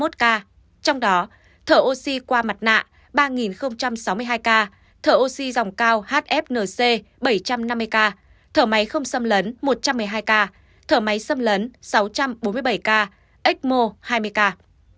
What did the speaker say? trong đó thở oxy qua mặt nạ ba sáu mươi hai ca thở oxy dòng cao hfnc bảy trăm năm mươi ca thở máy không xâm lấn một trăm một mươi hai ca thở máy xâm lấn sáu trăm bốn mươi bảy ca ecmo hai mươi ca